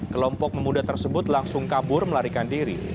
kelompok pemuda tersebut langsung kabur melarikan diri